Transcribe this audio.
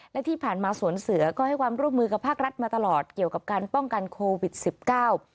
และที่ผ่านมาสวนเสือก็ให้ความร่วมมือกับภาครัฐมาตลอดเกี่ยวกับการป้องกันโควิดสิบเก้า